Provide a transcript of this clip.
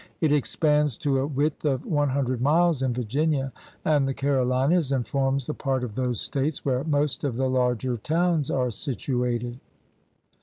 It expands to a width of one hundred miles in Virginia and the Carolinas and forms the part of those States where most of the larger towns are situated.